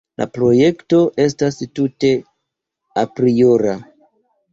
La projekto estas tute apriora.